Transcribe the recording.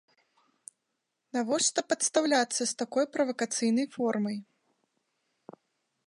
Навошта падстаўляцца з такой правакацыйнай формай?